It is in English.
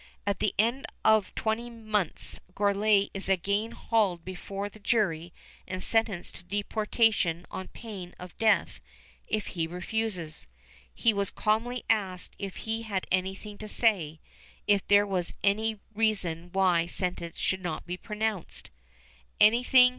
At the end of twenty months Gourlay is again hauled before the jury and sentenced to deportation on pain of death if he refuses. He was calmly asked if he had anything to say, if there were any reason why sentence should not be pronounced. "Anything